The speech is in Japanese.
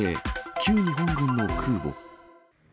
旧日本軍の空母。